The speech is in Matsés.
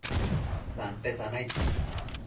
santen sanaid